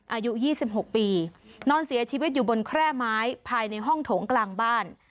อายุ๒๖ปีนอนเสียชีวิตอยู่บนแคร่ไม้ภายในห้องโถงกลางบ้าน